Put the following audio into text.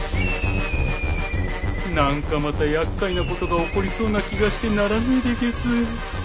何かまたやっかいなことが起こりそうな気がしてならねえでげす。